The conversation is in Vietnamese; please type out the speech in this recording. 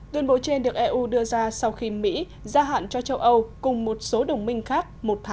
tuyên bố trên được eu đưa ra sau khi mỹ gia hạn cho châu âu cùng một số đồng minh khác